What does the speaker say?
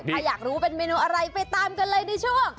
ถ้าอยากรู้เป็นเมนูอะไรไปตามกันเลยในช่วง